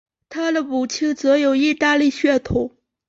他的母亲则有意大利血统。